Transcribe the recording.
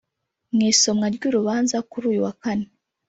Mu isomwa ry’urubanza kuri uyu wa Kane